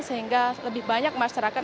sehingga lebih banyak masyarakat